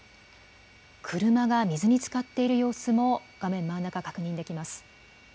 車が水につかっている様子も画面真ん中、確認できます。